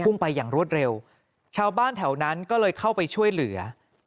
ไปอย่างรวดเร็วชาวบ้านแถวนั้นก็เลยเข้าไปช่วยเหลือ